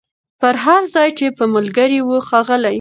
پر هر ځای چي به ملګري وه ښاغلي